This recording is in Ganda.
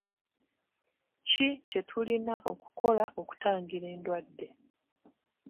Ki kye tulina okukola okutangira endwadde?